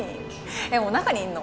えっもう中にいんの？